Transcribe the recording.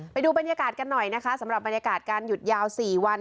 ไปดูบรรยากาศกันหน่อยนะคะสำหรับบรรยากาศการหยุดยาว๔วัน